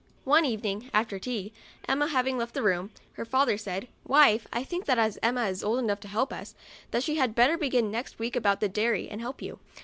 One evening after tea, Emma having left the room, her father said, " Wife, I think that as Emma is old enough to help us, that she had better begin next week about the dairy and help you.